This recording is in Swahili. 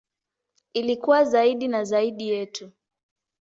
Ili kuwa zaidi na zaidi yetu.